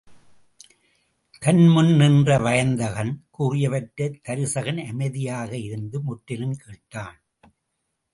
தன் முன் நின்ற வயந்தகன் கூறியவற்றைத் தருசகன் அமைதியாக இருந்து முற்றிலும் கேட்டான்.